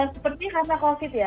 seperti karena covid ya